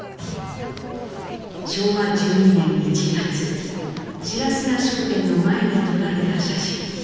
昭和１２年１月白砂商店の前で撮られた写真。